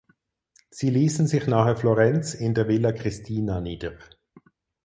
Sie ließen sich nahe Florenz in der "Villa Christina" nieder.